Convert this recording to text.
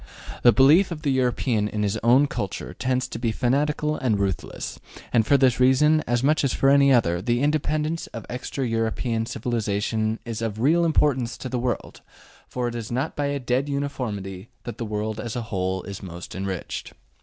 The belief of the European in his own Kultur tends to be fanatical and ruthless, and for this reason, as much as for any other, the independence of extra European civilization is of real importance to the world, for it is not by a dead uniformity that the world as a whole is most enriched.